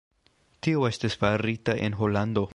Tio estas farita en Holando.